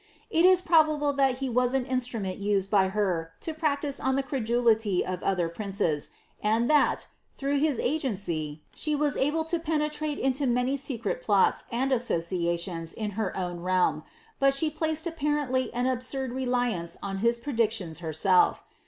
It is probable that he was an instrument used by her to practise on the credulity of other princes, and that, through his ifency, she was enabled to penetrate into many secret plots and asso cjaiions in her own realm, but she placed apparently an absurd reliance on his predictions herself.